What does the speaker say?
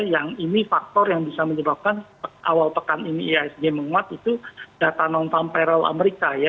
yang ini faktor yang bisa menyebabkan awal pekan ini ihsg menguat itu data non farm payroll amerika ya